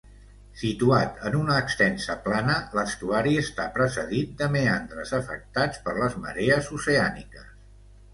Situat en una extensa plana, l'estuari està precedit de meandres afectats per les marees oceàniques.